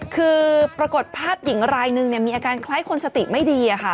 คือปรากฏภาพหญิงรายนึงมีอาการคล้ายคนสติไม่ดี